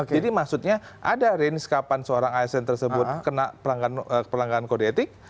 jadi maksudnya ada range kapan seorang asn tersebut kena pelanggaran kode etik